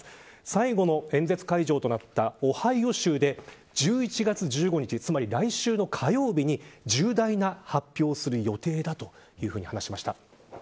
最後の演説会場となったオハイオ州で１１月１５日来週の火曜日に重大な発表をする予定だと話しました。